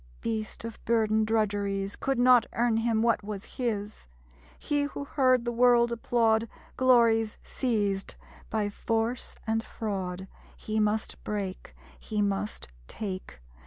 Beast of burden drudgeries Could not earn him what was his: He who heard the world applaud Glories seized by force and fraud, He must break, he must take!